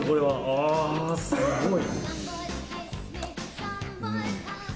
あすごい！